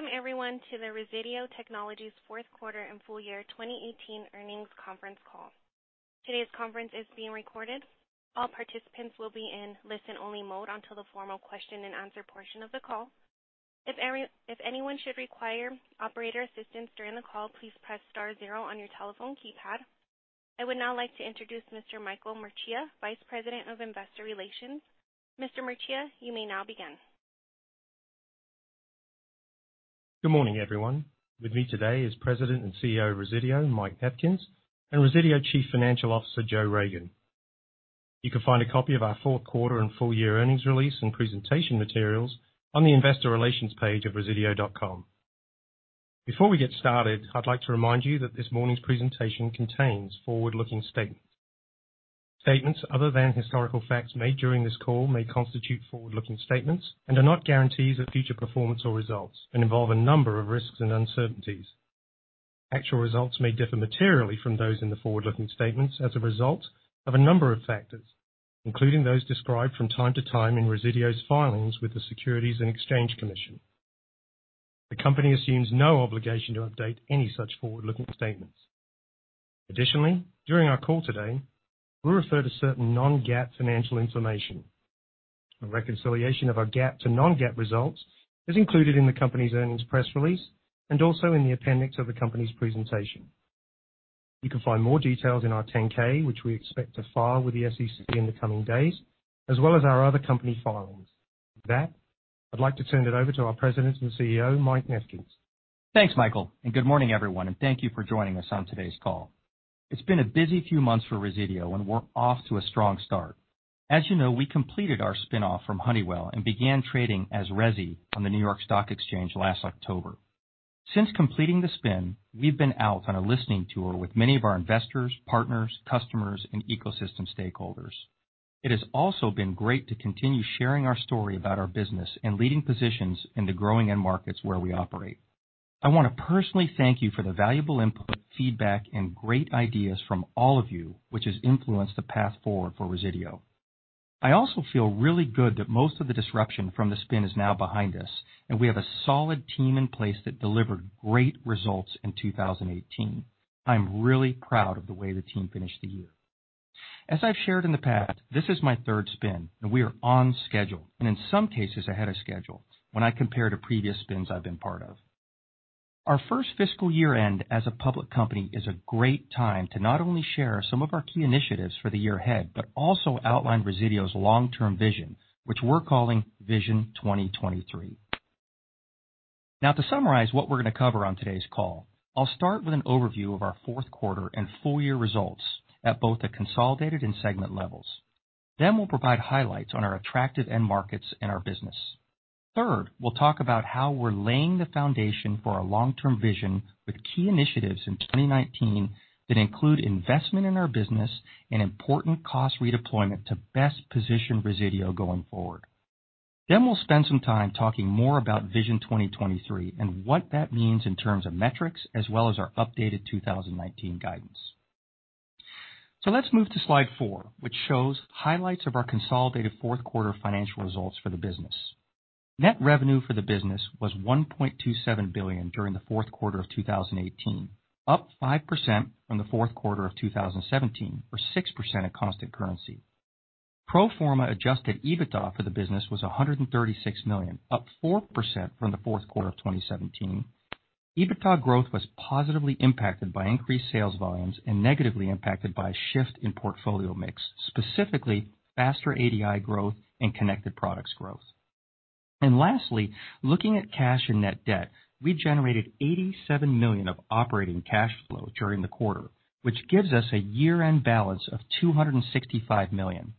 Welcome everyone to Resideo Technologies fourth quarter and full year 2018 earnings conference call. Today's conference is being recorded. All participants will be in listen-only mode until the formal question and answer portion of the call. If anyone should require operator assistance during the call, please press star zero on your telephone keypad. I would now like to introduce Mr. Michael Mercieca, Vice President of Investor Relations. Mr. Mercieca, you may now begin. Good morning, everyone. With me today is President and CEO of Resideo, Mike Nefkens, and Resideo Chief Financial Officer, Joe Ragan. You can find a copy of our fourth quarter and full year earnings release and presentation materials on the investor relations page of resideo.com. Before we get started, I'd like to remind you that this morning's presentation contains forward-looking statements. Statements other than historical facts made during this call may constitute forward-looking statements and are not guarantees of future performance or results and involve a number of risks and uncertainties. Actual results may differ materially from those in the forward-looking statements as a result of a number of factors, including those described from time to time in Resideo's filings with the Securities and Exchange Commission. The company assumes no obligation to update any such forward-looking statements. Additionally, during our call today, we refer to certain non-GAAP financial information. A reconciliation of our GAAP to non-GAAP results is included in the company's earnings press release and also in the appendix of the company's presentation. You can find more details in our 10-K, which we expect to file with the SEC in the coming days, as well as our other company filings. With that, I'd like to turn it over to our President and CEO, Mike Nefkens. Thanks, Michael, and good morning, everyone, and thank you for joining us on today's call. It's been a busy few months for Resideo, and we're off to a strong start. As you know, we completed our spin-off from Honeywell and began trading as RESI on the New York Stock Exchange last October. Since completing the spin, we've been out on a listening tour with many of our investors, partners, customers, and ecosystem stakeholders. It has also been great to continue sharing our story about our business and leading positions in the growing end markets where we operate. I want to personally thank you for the valuable input, feedback, and great ideas from all of you, which has influenced the path forward for Resideo. I also feel really good that most of the disruption from the spin is now behind us, and we have a solid team in place that delivered great results in 2018. I'm really proud of the way the team finished the year. As I've shared in the past, this is my third spin, and we are on schedule, and in some cases ahead of schedule when I compare to previous spins I've been part of. Our first fiscal year-end as a public company is a great time to not only share some of our key initiatives for the year ahead, but also outline Resideo's long-term Vision, which we're calling Vision 2023. To summarize what we're going to cover on today's call, I'll start with an overview of our fourth quarter and full year results at both the consolidated and segment levels. We'll provide highlights on our attractive end markets and our business. Third, we'll talk about how we're laying the foundation for our long-term Vision with key initiatives in 2019 that include investment in our business and important cost redeployment to best position Resideo going forward. We'll spend some time talking more about Vision 2023 and what that means in terms of metrics as well as our updated 2019 guidance. Let's move to slide four, which shows highlights of our consolidated fourth quarter financial results for the business. Net revenue for the business was $1.27 billion during the fourth quarter of 2018, up 5% from the fourth quarter of 2017, or 6% at constant currency. Pro forma adjusted EBITDA for the business was $136 million, up 4% from the fourth quarter of 2017. EBITDA growth was positively impacted by increased sales volumes and negatively impacted by a shift in portfolio mix, specifically faster ADI growth and connected products growth. Lastly, looking at cash and net debt, we generated $87 million of operating cash flow during the quarter, which gives us a year-end balance of $265 million.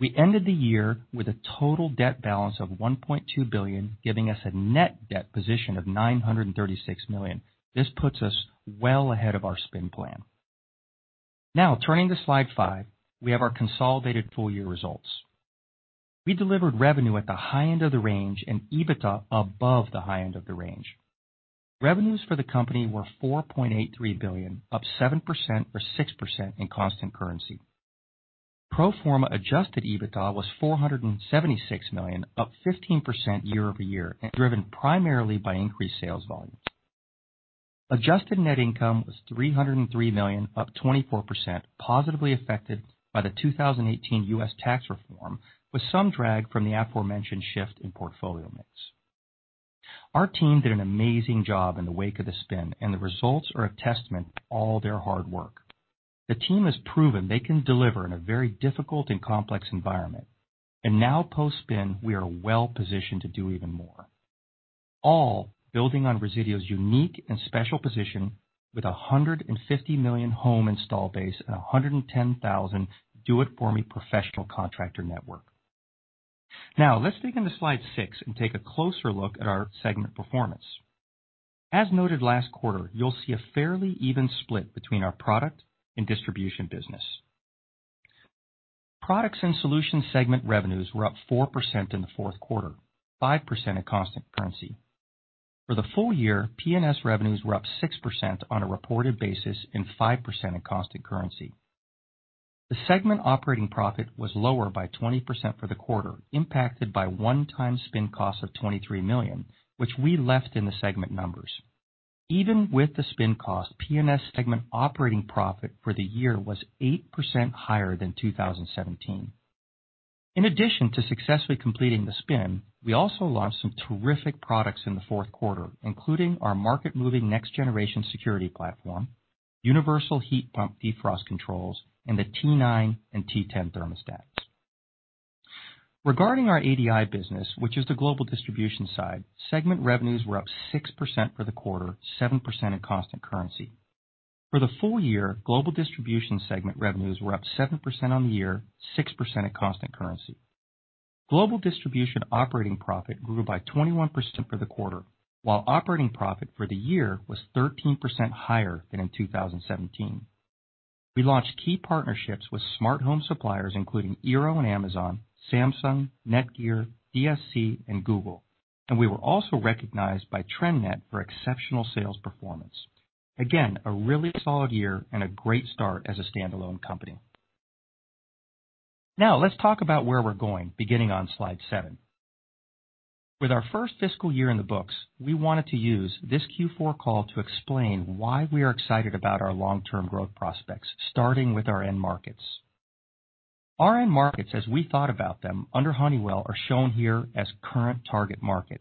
We ended the year with a total debt balance of $1.2 billion, giving us a net debt position of $936 million. This puts us well ahead of our spin plan. Turning to slide five, we have our consolidated full year results. We delivered revenue at the high end of the range and EBITDA above the high end of the range. Revenues for the company were $4.83 billion, up 7% or 6% in constant currency. Pro forma adjusted EBITDA was $476 million, up 15% year-over-year, and driven primarily by increased sales volume. Adjusted net income was $303 million, up 24%, positively affected by the 2018 U.S. tax reform, with some drag from the aforementioned shift in portfolio mix. Our team did an amazing job in the wake of the spin, and the results are a testament to all their hard work. The team has proven they can deliver in a very difficult and complex environment. Post-spin, we are well positioned to do even more, all building on Resideo's unique and special position with 150 million home install base and 110,000 Do It For Me professional contractor network. Let's dig into slide six and take a closer look at our segment performance. As noted last quarter, you'll see a fairly even split between our product and distribution business. Products and Solutions segment revenues were up 4% in the fourth quarter, 5% at constant currency. For the full year, P&S revenues were up 6% on a reported basis and 5% at constant currency. The segment operating profit was lower by 20% for the quarter, impacted by one-time spin costs of $23 million, which we left in the segment numbers. Even with the spin cost, P&S segment operating profit for the year was 8% higher than 2017. In addition to successfully completing the spin, we also launched some terrific products in the fourth quarter, including our market-moving next generation security platform, universal heat pump defrost controls, and the T9 and T10 thermostats. Regarding our ADI business, which is the global distribution side, segment revenues were up 6% for the quarter, 7% at constant currency. For the full year, global distribution segment revenues were up 7% on the year, 6% at constant currency. Global distribution operating profit grew by 21% for the quarter, while operating profit for the year was 13% higher than in 2017. We launched key partnerships with smart home suppliers, including eero and Amazon, Samsung, Netgear, DSC, and Google. We were also recognized by TRENDnet for exceptional sales performance. Again, a really solid year and a great start as a standalone company. Let's talk about where we're going, beginning on slide seven. With our first fiscal year in the books, we wanted to use this Q4 call to explain why we are excited about our long-term growth prospects, starting with our end markets. Our end markets, as we thought about them under Honeywell, are shown here as current target market.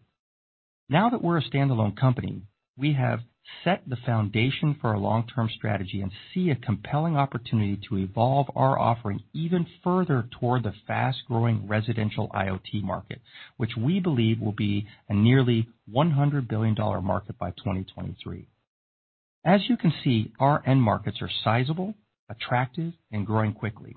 Now that we're a standalone company, we have set the foundation for our long-term strategy and see a compelling opportunity to evolve our offering even further toward the fast-growing residential IoT market, which we believe will be a nearly $100 billion market by 2023. As you can see, our end markets are sizable, attractive, and growing quickly.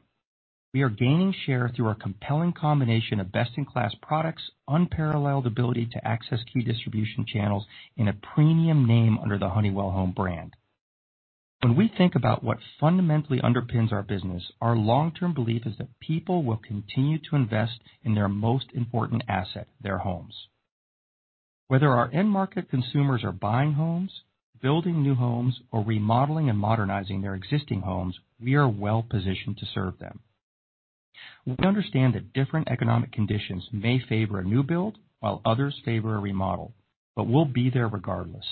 We are gaining share through our compelling combination of best-in-class products, unparalleled ability to access key distribution channels, and a premium name under the Honeywell Home brand. When we think about what fundamentally underpins our business, our long-term belief is that people will continue to invest in their most important asset, their homes. Whether our end market consumers are buying homes, building new homes, or remodeling and modernizing their existing homes, we are well positioned to serve them. We understand that different economic conditions may favor a new build, while others favor a remodel. We'll be there regardless.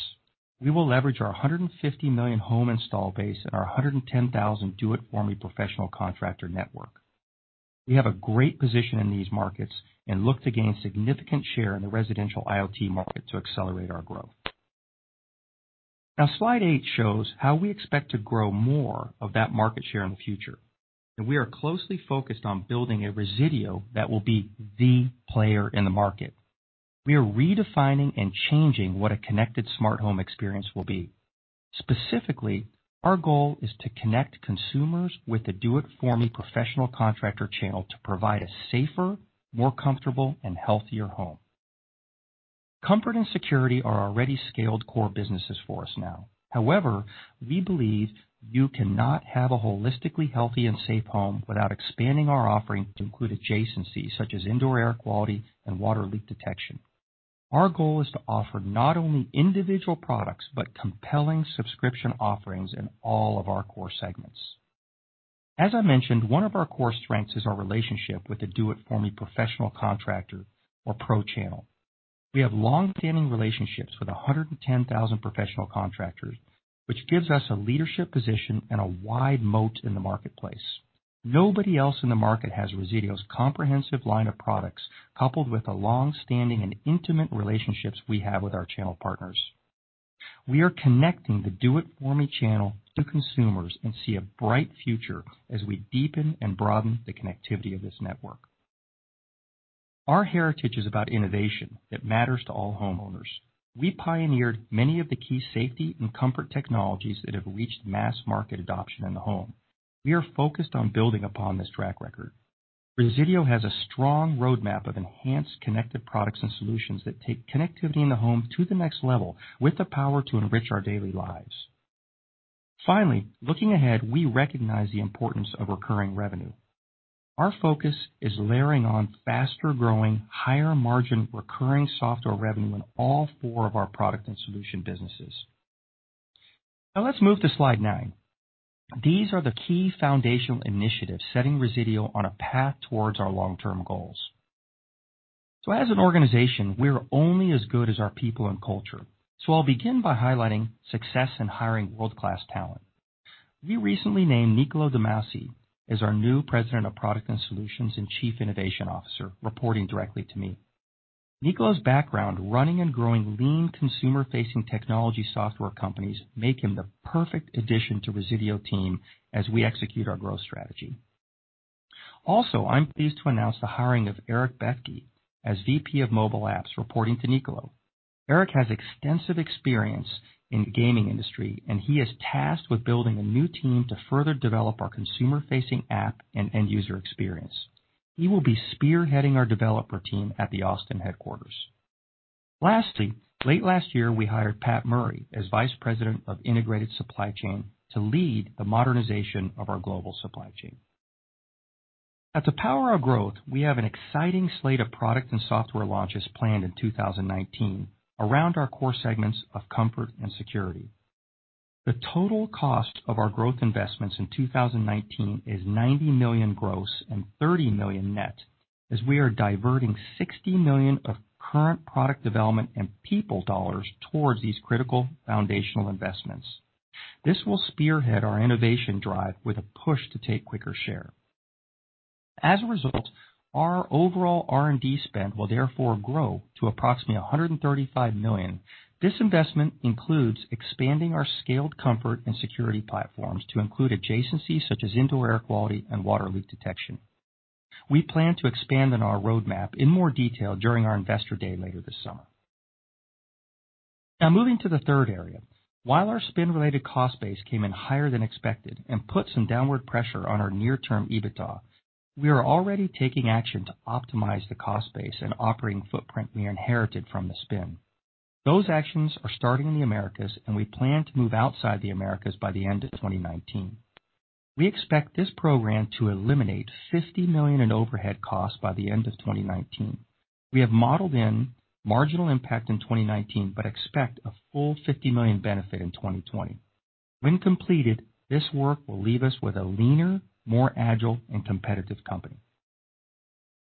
We will leverage our 150 million home install base and our 110,000 Do It For Me professional contractor network. We have a great position in these markets and look to gain significant share in the residential IoT market to accelerate our growth. Slide eight shows how we expect to grow more of that market share in the future, we are closely focused on building a Resideo that will be the player in the market. We are redefining and changing what a connected smart home experience will be. Specifically, our goal is to connect consumers with the Do It For Me professional contractor channel to provide a safer, more comfortable, and healthier home. Comfort and security are already scaled core businesses for us now. However, we believe you cannot have a holistically healthy and safe home without expanding our offering to include adjacencies such as indoor air quality and water leak detection. Our goal is to offer not only individual products, but compelling subscription offerings in all of our core segments. As I mentioned, one of our core strengths is our relationship with the Do It For Me professional contractor or pro channel. We have longstanding relationships with 110,000 professional contractors, which gives us a leadership position and a wide moat in the marketplace. Nobody else in the market has Resideo's comprehensive line of products, coupled with the longstanding and intimate relationships we have with our channel partners. We are connecting the Do It For Me channel to consumers and see a bright future as we deepen and broaden the connectivity of this network. Our heritage is about innovation that matters to all homeowners. We pioneered many of the key safety and comfort technologies that have reached mass market adoption in the home. We are focused on building upon this track record. Resideo has a strong roadmap of enhanced connected products and solutions that take connectivity in the home to the next level, with the power to enrich our daily lives. Looking ahead, we recognize the importance of recurring revenue. Our focus is layering on faster-growing, higher margin, recurring software revenue in all four of our Products and Solutions businesses. Let's move to slide nine. These are the key foundational initiatives setting Resideo on a path towards our long-term goals. As an organization, we are only as good as our people and culture. I'll begin by highlighting success in hiring world-class talent. We recently named Niccolo de Masi as our new President of Products and Solutions and Chief Innovation Officer, reporting directly to me. Niccolo's background running and growing lean consumer-facing technology software companies make him the perfect addition to Resideo's team as we execute our growth strategy. I'm pleased to announce the hiring of Erik Bethke as VP of Mobile Apps, reporting to Niccolo. Erik has extensive experience in the gaming industry, and he is tasked with building a new team to further develop our consumer-facing app and end user experience. He will be spearheading our developer team at the Austin headquarters. Late last year, we hired Pat Murray as Vice President of Integrated Supply Chain to lead the modernization of our global supply chain. At the power of growth, we have an exciting slate of product and software launches planned in 2019 around our core segments of comfort and security. The total cost of our growth investments in 2019 is $90 million gross and $30 million net, as we are diverting $60 million of current product development and people dollars towards these critical foundational investments. This will spearhead our innovation drive with a push to take quicker share. Our overall R&D spend will therefore grow to approximately $135 million. This investment includes expanding our scaled comfort and security platforms to include adjacencies such as indoor air quality and water leak detection. We plan to expand on our roadmap in more detail during our investor day later this summer. Moving to the third area. While our spin-related cost base came in higher than expected and put some downward pressure on our near-term EBITDA, we are already taking action to optimize the cost base and operating footprint we inherited from the spin. Those actions are starting in the Americas, we plan to move outside the Americas by the end of 2019. We expect this program to eliminate $50 million in overhead costs by the end of 2019. We have modeled in marginal impact in 2019, expect a full $50 million benefit in 2020. When completed, this work will leave us with a leaner, more agile, and competitive company.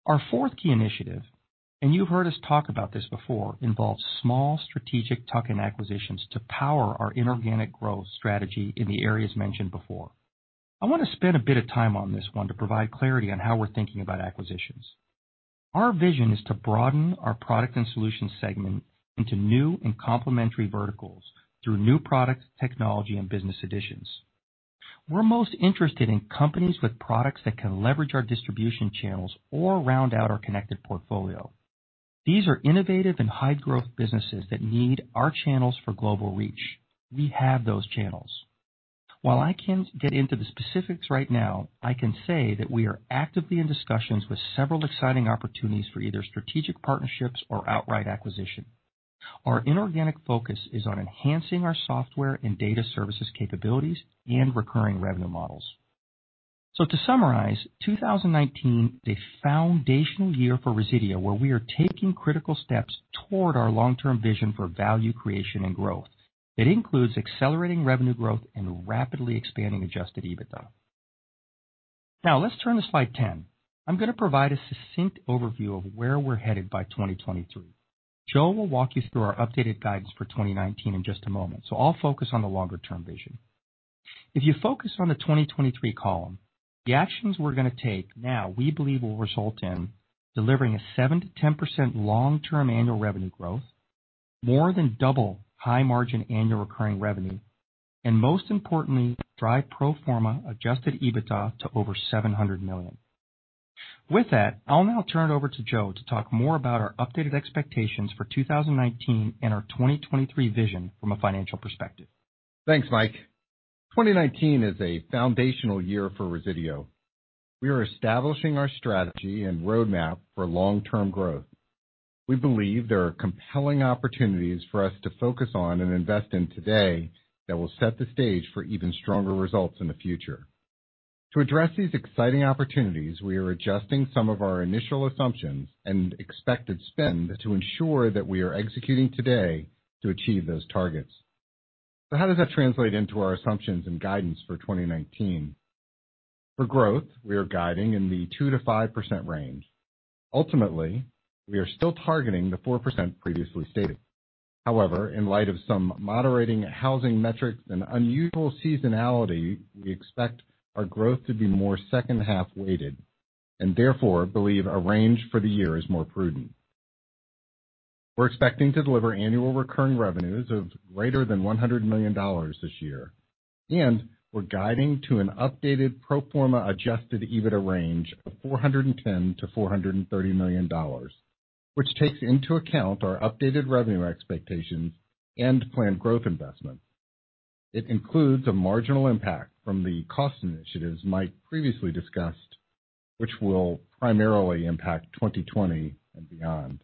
Our fourth key initiative, you've heard us talk about this before, involves small strategic tuck-in acquisitions to power our inorganic growth strategy in the areas mentioned before. I want to spend a bit of time on this one to provide clarity on how we're thinking about acquisitions. Our vision is to broaden our Products and Solutions segment into new and complementary verticals through new products, technology, and business editions. We're most interested in companies with products that can leverage our distribution channels or round out our connected portfolio. These are innovative and high-growth businesses that need our channels for global reach. We have those channels. While I can't get into the specifics right now, I can say that we are actively in discussions with several exciting opportunities for either strategic partnerships or outright acquisition. Our inorganic focus is on enhancing our software and data services capabilities and recurring revenue models. To summarize, 2019 is a foundational year for Resideo, where we are taking critical steps toward our long-term vision for value creation and growth. It includes accelerating revenue growth and rapidly expanding adjusted EBITDA. Let's turn to slide 10. I'm going to provide a succinct overview of where we're headed by 2023. Joe will walk you through our updated guidance for 2019 in just a moment, I'll focus on the longer-term vision. If you focus on the 2023 column, the actions we're going to take now we believe will result in delivering a 7%-10% long-term annual revenue growth, more than double high margin annual recurring revenue, and most importantly, drive pro forma adjusted EBITDA to over $700 million. With that, I'll now turn it over to Joe to talk more about our updated expectations for 2019 and our 2023 vision from a financial perspective. Thanks, Mike. 2019 is a foundational year for Resideo. We are establishing our strategy and roadmap for long-term growth. We believe there are compelling opportunities for us to focus on and invest in today that will set the stage for even stronger results in the future. To address these exciting opportunities, we are adjusting some of our initial assumptions and expected spend to ensure that we are executing today to achieve those targets. How does that translate into our assumptions and guidance for 2019? For growth, we are guiding in the 2%-5% range. Ultimately, we are still targeting the 4% previously stated. In light of some moderating housing metrics and unusual seasonality, we expect our growth to be more second half weighted and therefore believe a range for the year is more prudent. We're expecting to deliver annual recurring revenues of greater than $100 million this year. We're guiding to an updated pro forma adjusted EBITDA range of $410 million to $430 million, which takes into account our updated revenue expectations and planned growth investments. It includes a marginal impact from the cost initiatives Mike previously discussed, which will primarily impact 2020 and beyond.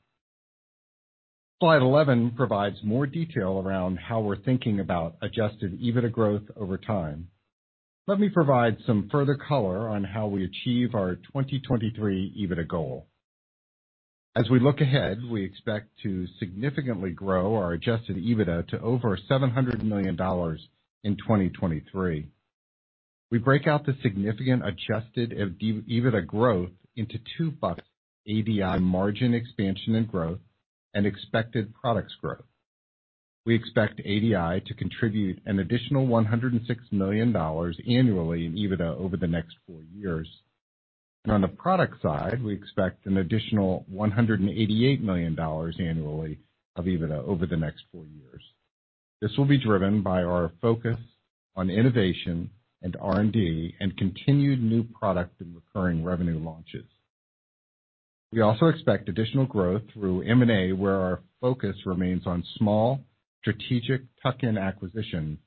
Slide 11 provides more detail around how we're thinking about adjusted EBITDA growth over time. Let me provide some further color on how we achieve our 2023 EBITDA goal. As we look ahead, we expect to significantly grow our adjusted EBITDA to over $700 million in 2023. We break out the significant adjusted EBITDA growth into two buckets: ADI margin expansion and growth and expected Products and Solutions growth. We expect ADI to contribute an additional $106 million annually in EBITDA over the next four years. On the Products and Solutions side, we expect an additional $188 million annually of EBITDA over the next four years. This will be driven by our focus on innovation and R&D and continued new product and recurring revenue launches. We also expect additional growth through M&A, where our focus remains on small strategic tuck-in acquisitions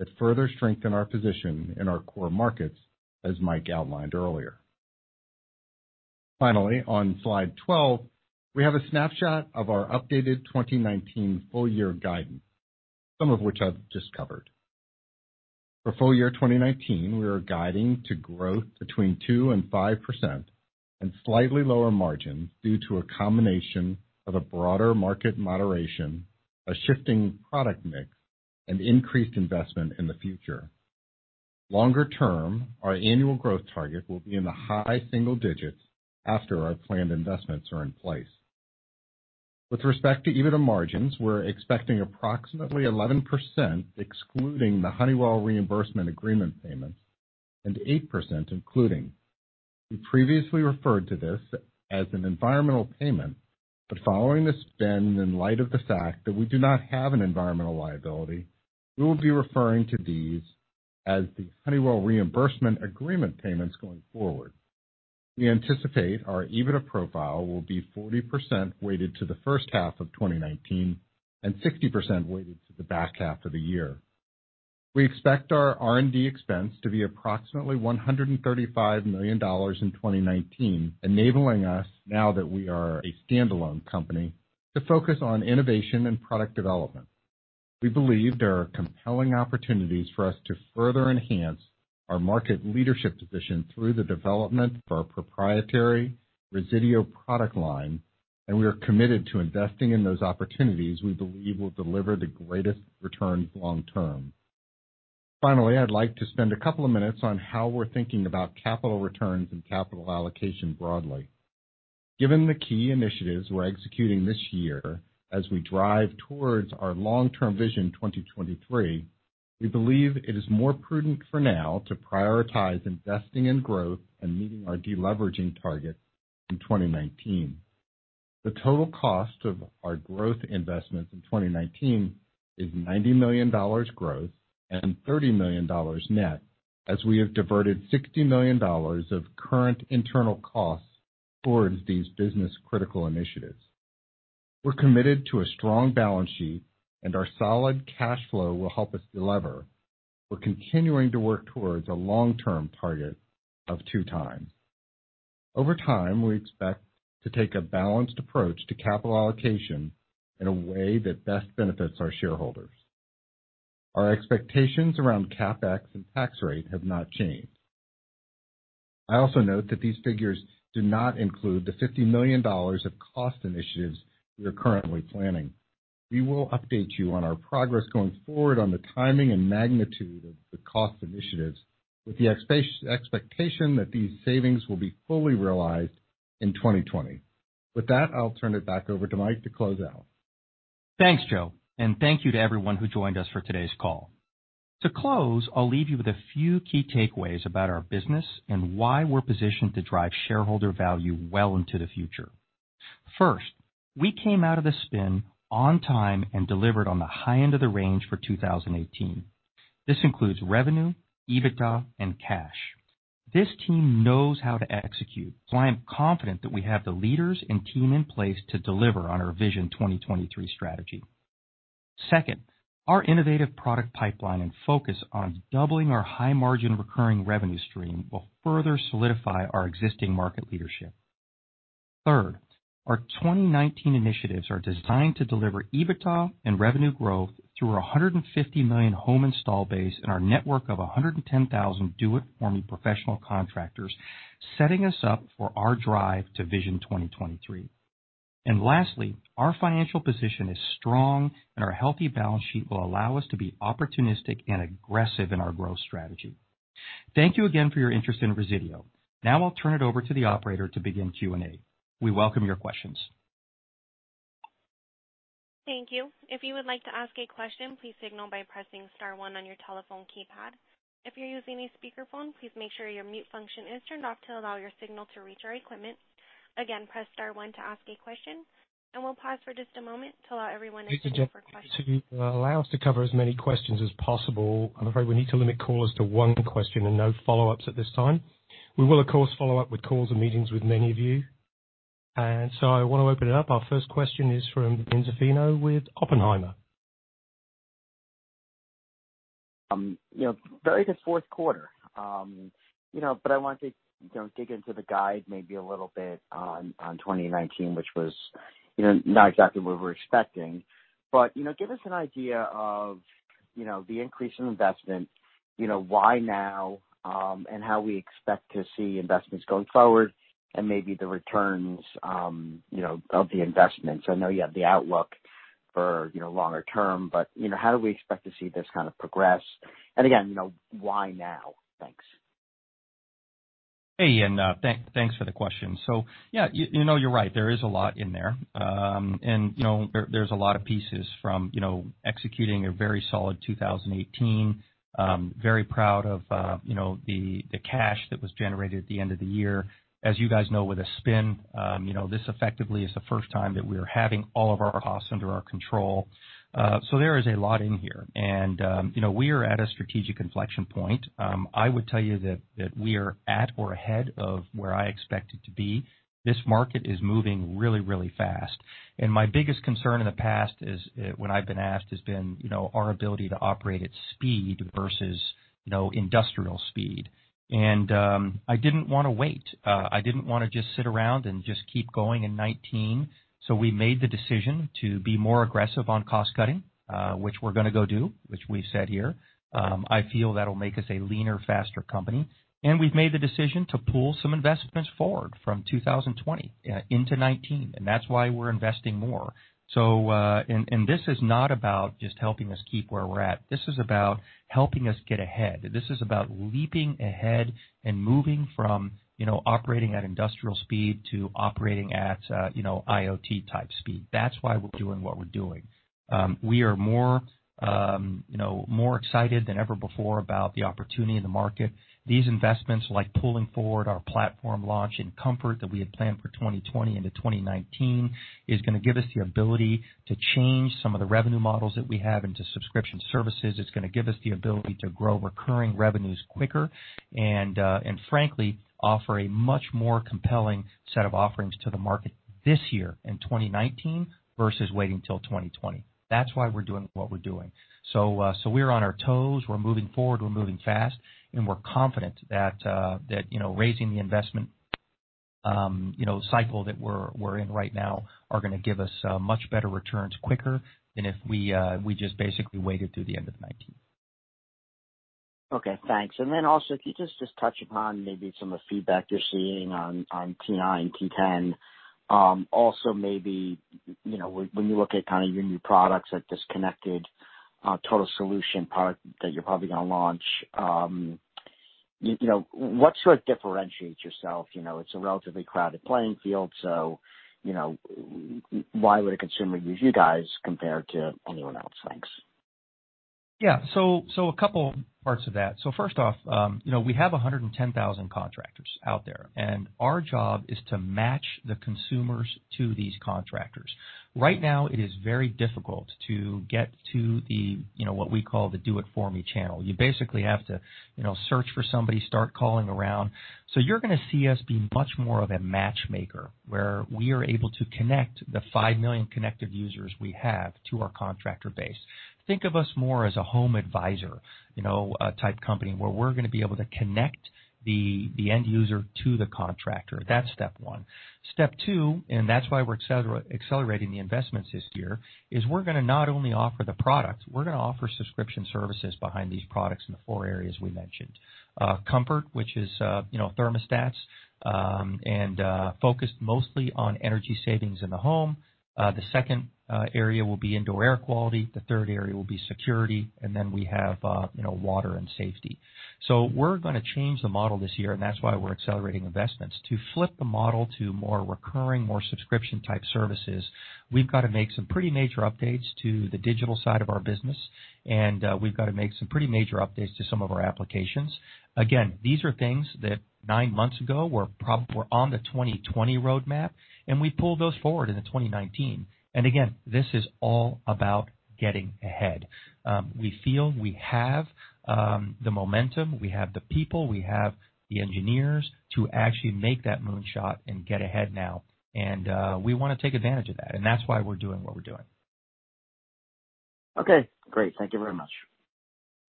that further strengthen our position in our core markets, as Mike outlined earlier. Finally, on slide 12, we have a snapshot of our updated 2019 full-year guidance, some of which I've just covered. For full year 2019, we are guiding to growth between 2%-5%, and slightly lower margins due to a combination of a broader market moderation, a shifting product mix, and increased investment in the future. Longer term, our annual growth target will be in the high single digits after our planned investments are in place. With respect to EBITDA margins, we're expecting approximately 11%, excluding the Honeywell reimbursement agreement payments, and 8% including. We previously referred to this as an environmental payment. Following the spin in light of the fact that we do not have an environmental liability, we will be referring to these as the Honeywell reimbursement agreement payments going forward. We anticipate our EBITDA profile will be 40% weighted to the first half of 2019 and 60% weighted to the back half of the year. We expect our R&D expense to be approximately $135 million in 2019, enabling us, now that we are a standalone company, to focus on innovation and product development. We believe there are compelling opportunities for us to further enhance our market leadership position through the development of our proprietary Resideo product line. We are committed to investing in those opportunities we believe will deliver the greatest returns long term. Finally, I'd like to spend a couple of minutes on how we're thinking about capital returns and capital allocation broadly. Given the key initiatives we're executing this year as we drive towards our long-term Vision 2023, we believe it is more prudent for now to prioritize investing in growth and meeting our de-leveraging targets in 2019. The total cost of our growth investments in 2019 is $90 million growth and $30 million net, as we have diverted $60 million of current internal costs towards these business-critical initiatives. We're committed to a strong balance sheet. Our solid cash flow will help us delever. We're continuing to work towards a long-term target of two times. Over time, we expect to take a balanced approach to capital allocation in a way that best benefits our shareholders. Our expectations around CapEx and tax rate have not changed. I also note that these figures do not include the $50 million of cost initiatives we are currently planning. We will update you on our progress going forward on the timing and magnitude of the cost initiatives with the expectation that these savings will be fully realized in 2020. With that, I'll turn it back over to Mike to close out. Thanks, Joe. Thank you to everyone who joined us for today's call. To close, I'll leave you with a few key takeaways about our business and why we're positioned to drive shareholder value well into the future. First, we came out of the spin on time and delivered on the high end of the range for 2018. This includes revenue, EBITDA, and cash. This team knows how to execute, so I am confident that we have the leaders and team in place to deliver on our Vision 2023 strategy. Second, our innovative product pipeline and focus on doubling our high-margin recurring revenue stream will further solidify our existing market leadership. Third, our 2019 initiatives are designed to deliver EBITDA and revenue growth through 150 million home install base and our network of 110,000 do-it-for-me professional contractors, setting us up for our drive to Vision 2023. Lastly, our financial position is strong, and our healthy balance sheet will allow us to be opportunistic and aggressive in our growth strategy. Thank you again for your interest in Resideo. Now I'll turn it over to the operator to begin Q&A. We welcome your questions. Thank you. If you would like to ask a question, please signal by pressing *1 on your telephone keypad. If you're using a speakerphone, please make sure your mute function is turned off to allow your signal to reach our equipment. Again, press *1 to ask a question, we'll pause for just a moment. To allow us to cover as many questions as possible, I'm afraid we need to limit callers to one question and no follow-ups at this time. We will, of course, follow up with calls and meetings with many of you. I want to open it up. Our first question is from Ian Zaffino with Oppenheimer. Very good fourth quarter. I want to dig into the guide maybe a little bit on 2019, which was not exactly what we were expecting. Give us an idea of the increase in investment, why now, and how we expect to see investments going forward and maybe the returns of the investments. I know you have the outlook for longer term, but how do we expect to see this kind of progress? Again, why now? Thanks. Hey, Ian. Thanks for the question. Yeah, you're right. There is a lot in there. There's a lot of pieces from executing a very solid 2018. Very proud of the cash that was generated at the end of the year. As you guys know, with a spin, this effectively is the first time that we are having all of our costs under our control. There is a lot in here. We are at a strategic inflection point. I would tell you that we are at or ahead of where I expected to be. This market is moving really fast. My biggest concern in the past is, when I've been asked, has been our ability to operate at speed versus industrial speed. I didn't want to wait. I didn't want to just sit around and just keep going in 2019. We made the decision to be more aggressive on cost-cutting, which we're going to go do, which we've said here. I feel that'll make us a leaner, faster company. We've made the decision to pull some investments forward from 2020 into 2019, that's why we're investing more. This is not about just helping us keep where we're at. This is about helping us get ahead. This is about leaping ahead and moving from operating at industrial speed to operating at IoT-type speed. That's why we're doing what we're doing. We are more excited than ever before about the opportunity in the market. These investments, like pulling forward our platform launch in comfort that we had planned for 2020 into 2019, is going to give us the ability to change some of the revenue models that we have into subscription services. It's going to give us the ability to grow recurring revenues quicker and frankly, offer a much more compelling set of offerings to the market this year in 2019 versus waiting until 2020. That's why we're doing what we're doing. We're on our toes. We're moving forward, we're moving fast, and we're confident that raising the investment cycle that we're in right now are going to give us much better returns quicker than if we just basically waited through the end of 2019. Okay, thanks. Also, if you could just touch upon maybe some of the feedback you're seeing on T9, T10. Also maybe, when you look at your new products, like this connected total solution product that you're probably going to launch. What sort of differentiates yourself? It's a relatively crowded playing field, so why would a consumer use you guys compared to anyone else? Thanks. Yeah. A couple parts of that. First off, we have 110,000 contractors out there, and our job is to match the consumers to these contractors. Right now it is very difficult to get to what we call the Do It For Me channel. You basically have to search for somebody, start calling around. You're going to see us be much more of a matchmaker, where we are able to connect the 5 million connected users we have to our contractor base. Think of us more as a HomeAdvisor type company, where we're going to be able to connect the end user to the contractor. That's step one. Step two, that's why we're accelerating the investments this year, is we're going to not only offer the product, we're going to offer subscription services behind these products in the four areas we mentioned. Comfort, which is thermostats, and focused mostly on energy savings in the home. The second area will be indoor air quality, the third area will be security, and then we have water and safety. We're going to change the model this year, and that's why we're accelerating investments. To flip the model to more recurring, more subscription type services, we've got to make some pretty major updates to the digital side of our business, and we've got to make some pretty major updates to some of our applications. Again, these are things that nine months ago, were on the 2020 roadmap, and we pulled those forward into 2019. Again, this is all about getting ahead. We feel we have the momentum, we have the people, we have the engineers to actually make that moonshot and get ahead now, and we want to take advantage of that, and that's why we're doing what we're doing. Okay, great. Thank you very much.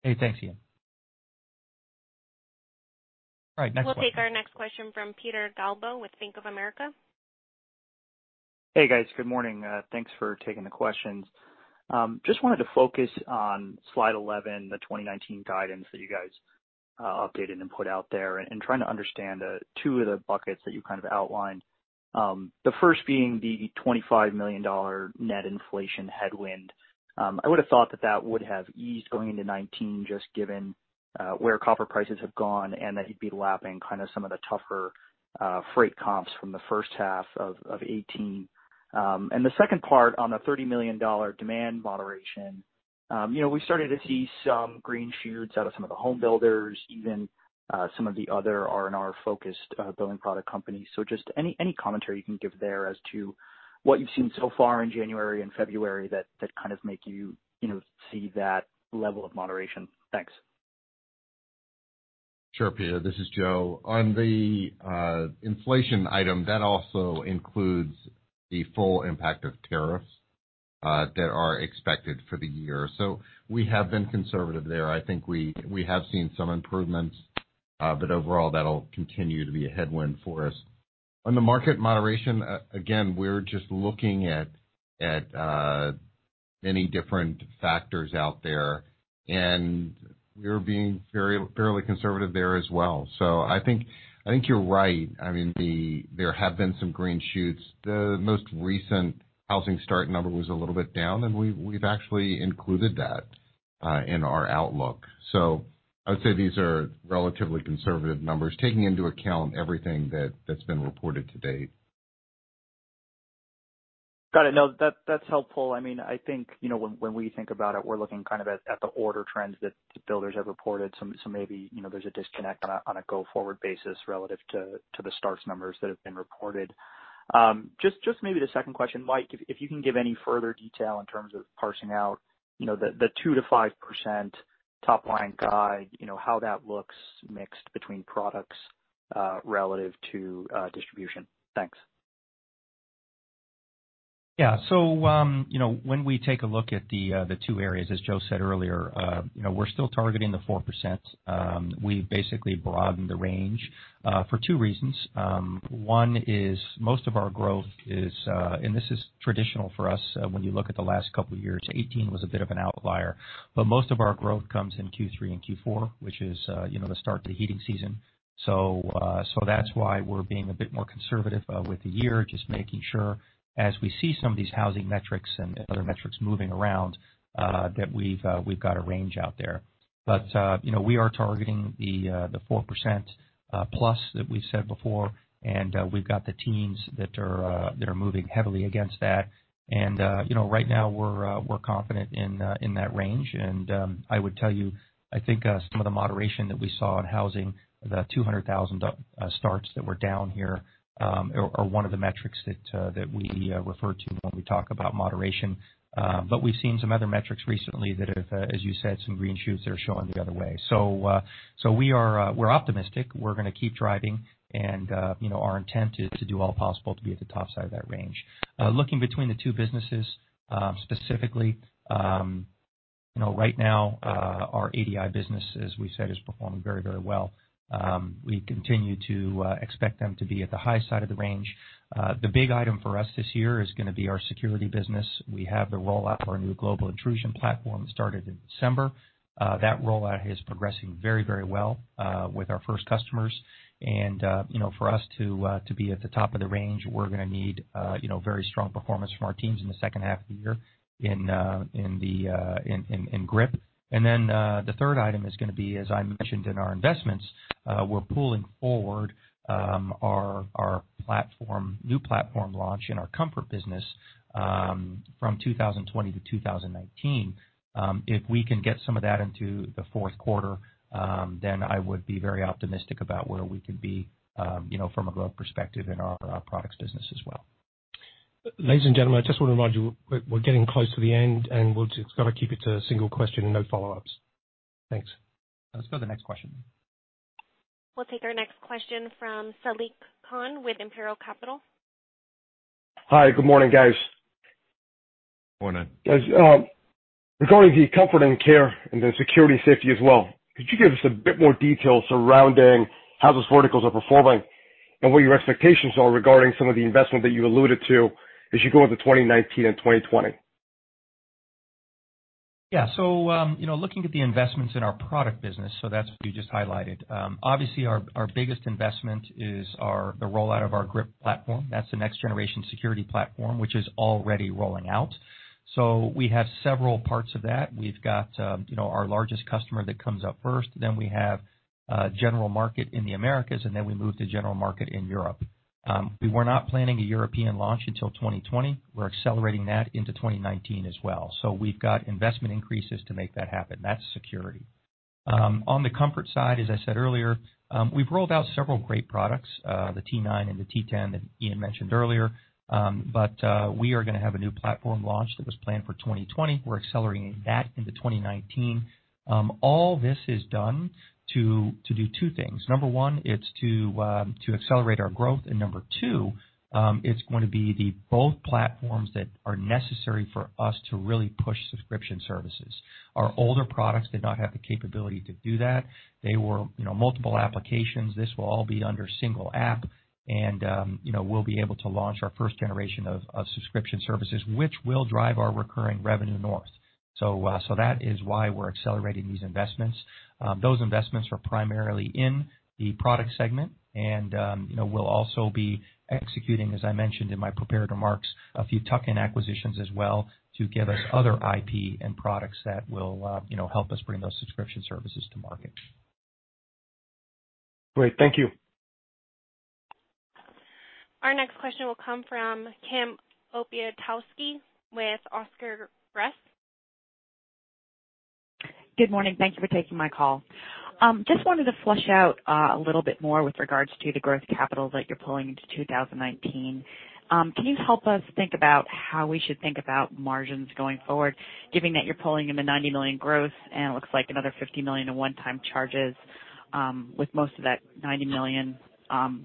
Hey, thanks, Ian. All right, next question. We'll take our next question from Peter Galbo with Bank of America. Hey, guys. Good morning. Thanks for taking the questions. Just wanted to focus on slide 11, the 2019 guidance that you guys updated and put out there, and trying to understand two of the buckets that you outlined. The first being the $25 million net inflation headwind. I would have thought that that would have eased going into 2019, just given where copper prices have gone and that you'd be lapping some of the tougher freight comps from the first half of 2018. The second part on the $30 million demand moderation. We started to see some green shoots out of some of the home builders, even some of the other R&R focused building product companies. Just any commentary you can give there as to what you've seen so far in January and February that kind of make you see that level of moderation. Thanks. Sure, Peter, this is Joe. On the inflation item, that also includes the full impact of tariffs that are expected for the year. We have been conservative there. I think we have seen some improvements, but overall, that'll continue to be a headwind for us. On the market moderation, again, we're just looking at many different factors out there, and we're being fairly conservative there as well. I think you're right. There have been some green shoots. The most recent housing start number was a little bit down, and we've actually included that in our outlook. I would say these are relatively conservative numbers, taking into account everything that's been reported to date. Got it. No, that's helpful. I think when we think about it, we're looking at the order trends that the builders have reported. Maybe there's a disconnect on a go-forward basis relative to the starts numbers that have been reported. Just maybe the second question, Mike, if you can give any further detail in terms of parsing out the 2%-5% top line guide, how that looks mixed between products relative to distribution. Thanks. Yeah. When we take a look at the two areas, as Joe said earlier, we're still targeting the 4%. We basically broadened the range for two reasons. One is most of our growth is, and this is traditional for us when you look at the last couple of years. 2018 was a bit of an outlier, but most of our growth comes in Q3 and Q4, which is the start of the heating season. That's why we're being a bit more conservative with the year, just making sure as we see some of these housing metrics and other metrics moving around, that we've got a range out there. We are targeting the 4% plus that we said before, and we've got the teams that are moving heavily against that. Right now we're confident in that range, I would tell you, I think some of the moderation that we saw in housing, the 200,000 starts that were down here, are one of the metrics that we refer to when we talk about moderation. We've seen some other metrics recently that have, as you said, some green shoots that are showing the other way. We're optimistic. We're going to keep driving and our intent is to do all possible to be at the top side of that range. Looking between the two businesses specifically. Right now, our ADI business, as we said, is performing very well. We continue to expect them to be at the high side of the range. The big item for us this year is going to be our security business. We have the rollout of our new global intrusion platform that started in December. That rollout is progressing very well with our first customers. For us to be at the top of the range, we're going to need very strong performance from our teams in the second half of the year in GRIP. The third item is going to be, as I mentioned in our investments, we're pulling forward our new platform launch in our comfort business from 2020 to 2019. If we can get some of that into the fourth quarter, then I would be very optimistic about where we could be from a growth perspective in our products business as well. Ladies and gentlemen, I just want to remind you, we're getting close to the end, and we've just got to keep it to a single question and no follow-ups. Thanks. Let's go to the next question. We'll take our next question from Saliq Khan with Imperial Capital. Hi, good morning, guys. Morning. Guys, regarding the comfort and care and the security safety as well, could you give us a bit more detail surrounding how those verticals are performing and what your expectations are regarding some of the investment that you alluded to as you go into 2019 and 2020? Yeah. Looking at the investments in our product business, that's what you just highlighted. Obviously, our biggest investment is the rollout of our GRIP platform. That's the next generation security platform, which is already rolling out. We have several parts of that. We've got our largest customer that comes up first, then we have general market in the Americas. Then we move to general market in Europe. We were not planning a European launch until 2020. We're accelerating that into 2019 as well. We've got investment increases to make that happen. That's security. On the comfort side, as I said earlier, we've rolled out several great products, the T9 and the T10 that Ian mentioned earlier. We are going to have a new platform launch that was planned for 2020. We're accelerating that into 2019. All this is done to do two things. Number one, it's to accelerate our growth, and number two, it's going to be both platforms that are necessary for us to really push subscription services. Our older products did not have the capability to do that. They were multiple applications. This will all be under a single app, and we'll be able to launch our first generation of subscription services, which will drive our recurring revenue north. That is why we're accelerating these investments. Those investments are primarily in the product segment, and we'll also be executing, as I mentioned in my prepared remarks, a few tuck-in acquisitions as well to get us other IP and products that will help us bring those subscription services to market. Great. Thank you. Our next question will come from Kim Opiatowski, with Oscar Gruss. Good morning. Thank you for taking my call. Just wanted to flush out a little bit more with regards to the growth capital that you're pulling into 2019. Can you help us think about how we should think about margins going forward, given that you're pulling in the $90 million growth, and it looks like another $50 million in one-time charges, with most of that $90 million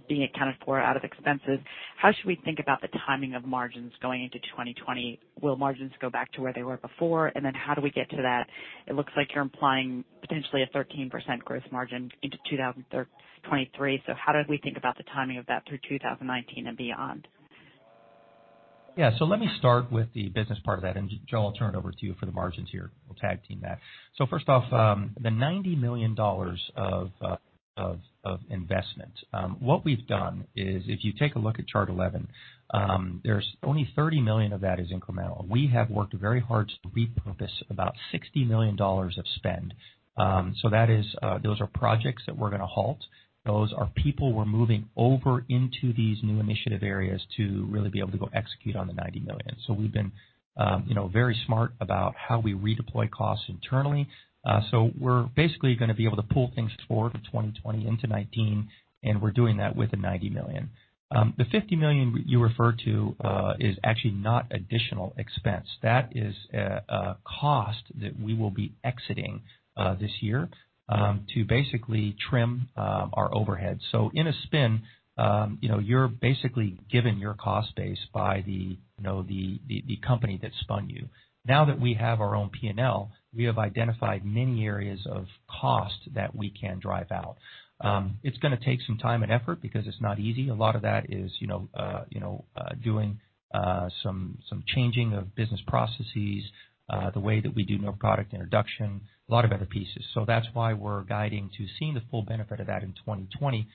being accounted for out of expenses? How should we think about the timing of margins going into 2020? Will margins go back to where they were before? How do we get to that? It looks like you're implying potentially a 13% growth margin into 2023. How did we think about the timing of that through 2019 and beyond? Let me start with the business part of that, Joe, I'll turn it over to you for the margins here. We'll tag team that. First off, the $90 million of investment. What we've done is if you take a look at chart 11, there's only $30 million of that is incremental. We have worked very hard to repurpose about $60 million of spend. Those are projects that we're going to halt. Those are people we're moving over into these new initiative areas to really be able to go execute on the $90 million. We've been very smart about how we redeploy costs internally. We're basically going to be able to pull things forward to 2020 into 2019, and we're doing that with the $90 million. The $50 million you referred to is actually not additional expense. That is a cost that we will be exiting this year to basically trim our overhead. In a spin, you're basically given your cost base by the company that spun you. Now that we have our own P&L, we have identified many areas of cost that we can drive out. It's going to take some time and effort because it's not easy. A lot of that is doing some changing of business processes, the way that we do new product introduction, a lot of other pieces. That's why we're guiding to seeing the full benefit of that in 2020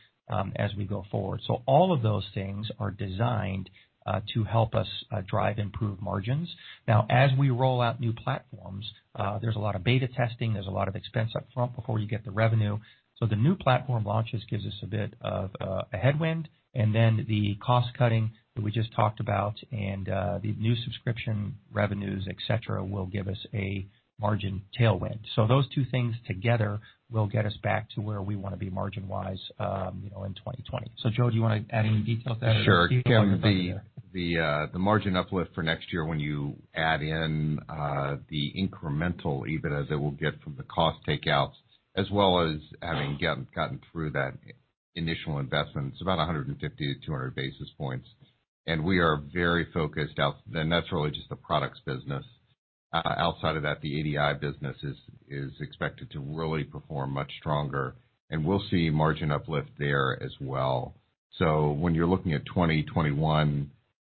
as we go forward. All of those things are designed to help us drive improved margins. As we roll out new platforms, there's a lot of beta testing. There's a lot of expense up front before you get the revenue. The new platform launches gives us a bit of a headwind, the cost cutting that we just talked about and the new subscription revenues, et cetera, will give us a margin tailwind. Those two things together will get us back to where we want to be margin-wise in 2020. Joe, do you want to add any details there? Sure. Kim, the margin uplift for next year when you add in the incremental EBITDA that we'll get from the cost takeouts, as well as having gotten through that Initial investment, it's about 150 to 200 basis points. We are very focused. That's really just the products business. Outside of that, the ADI business is expected to really perform much stronger. We'll see margin uplift there as well. When you're looking at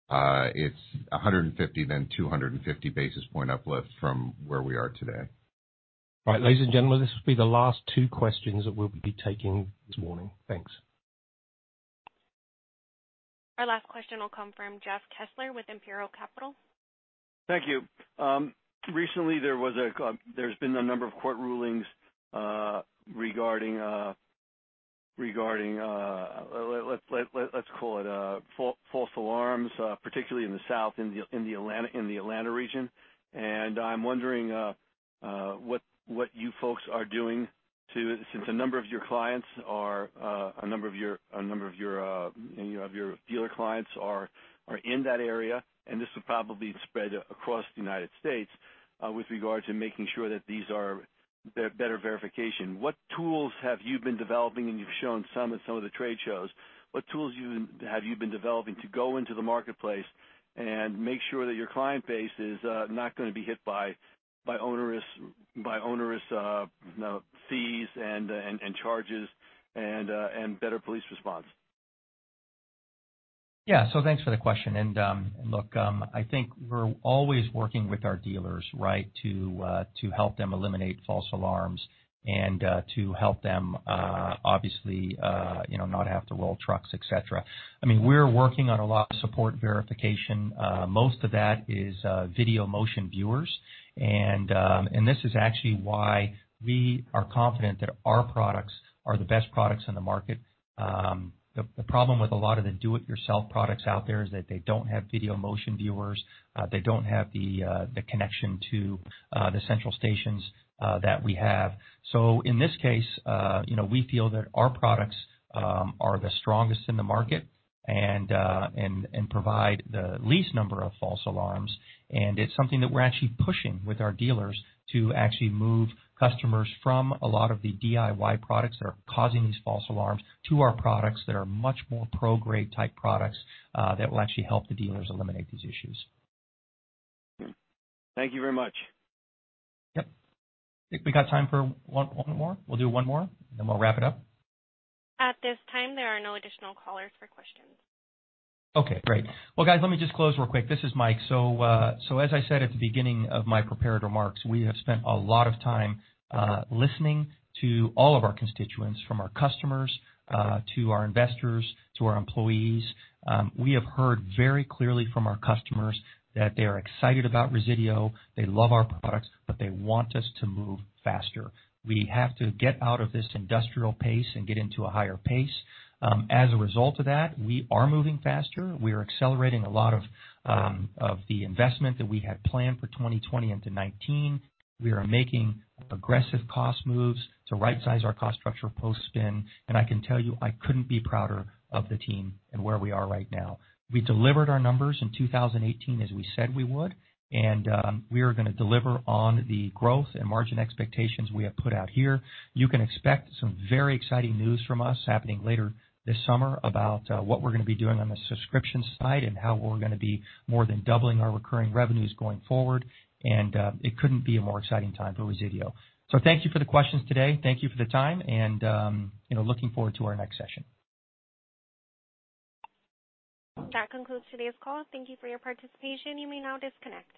2021, it's 150 then 250 basis point uplift from where we are today. Right. Ladies and gentlemen, this will be the last two questions that we'll be taking this morning. Thanks. Our last question will come from Jeff Kessler with Imperial Capital. Thank you. Recently, there's been a number of court rulings regarding, let's call it false alarms, particularly in the South, in the Atlanta region. I'm wondering what you folks are doing to, since a number of your dealer clients are in that area, this will probably spread across the United States, with regards to making sure that these are better verification. What tools have you been developing? You've shown some at some of the trade shows. What tools have you been developing to go into the marketplace and make sure that your client base is not going to be hit by onerous fees and charges and better police response? Yeah. Thanks for the question. Look, I think we're always working with our dealers, right, to help them eliminate false alarms and, to help them, obviously, not have to roll trucks, et cetera. We're working on a lot of support verification. Most of that is video motion viewers. This is actually why we are confident that our products are the best products in the market. The problem with a lot of the do-it-yourself products out there is that they don't have video motion viewers. They don't have the connection to the central stations that we have. In this case, we feel that our products are the strongest in the market and provide the least number of false alarms. It's something that we're actually pushing with our dealers to actually move customers from a lot of the DIY products that are causing these false alarms to our products that are much more pro-grade type products, that will actually help the dealers eliminate these issues. Thank you very much. Yep. I think we got time for one more. We'll do one more, then we'll wrap it up. At this time, there are no additional callers for questions. Okay, great. Well, guys, let me just close real quick. This is Mike. As I said at the beginning of my prepared remarks, we have spent a lot of time listening to all of our constituents, from our customers, to our investors, to our employees. We have heard very clearly from our customers that they are excited about Resideo, they love our products, but they want us to move faster. We have to get out of this industrial pace and get into a higher pace. As a result of that, we are moving faster. We are accelerating a lot of the investment that we had planned for 2020 into 2019. We are making aggressive cost moves to rightsize our cost structure post-spin. I can tell you, I couldn't be prouder of the team and where we are right now. We delivered our numbers in 2018 as we said we would. We are going to deliver on the growth and margin expectations we have put out here. You can expect some very exciting news from us happening later this summer about what we're going to be doing on the subscription side and how we're going to be more than doubling our recurring revenues going forward. It couldn't be a more exciting time for Resideo. Thank you for the questions today. Thank you for the time, and looking forward to our next session. That concludes today's call. Thank you for your participation. You may now disconnect.